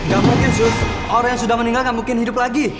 gak mungkin orang yang sudah meninggal gak mungkin hidup lagi